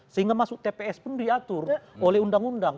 sehingga masuk tps pun diatur oleh undang undang